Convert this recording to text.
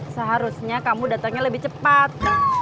seharusnya kamu datangnya lebih cepat